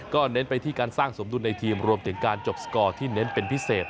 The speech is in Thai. เน้นไปที่การสร้างสมดุลในทีมรวมถึงการจบสกอร์ที่เน้นเป็นพิเศษ